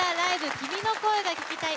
君の声が聴きたい」。